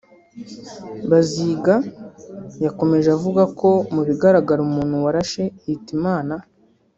Baziga yakomeje avuga ko mu bigaragara umuntu warashe Hitimana